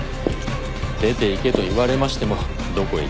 出ていけと言われましてもどこへ行っていいやら。